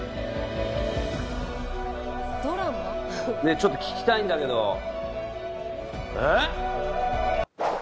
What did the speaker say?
ちょっと聞きたいんだけどえっ？